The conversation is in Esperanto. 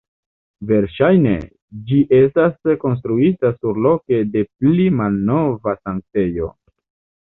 Verŝajne, ĝi estis konstruita surloke de pli malnova sanktejo.